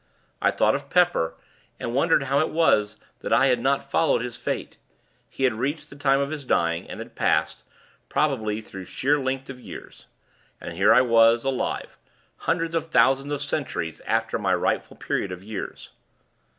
I thought of Pepper, and wondered how it was that I had not followed his fate. He had reached the time of his dying, and had passed, probably through sheer length of years. And here was I, alive, hundreds of thousands of centuries after my rightful period of years.